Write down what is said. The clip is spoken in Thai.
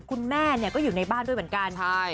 คุณแม่ก็อยู่ในบ้านด้วยเหมือนกัน